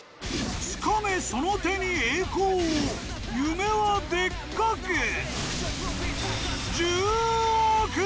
つかめ、その手に栄光を夢はでっかく！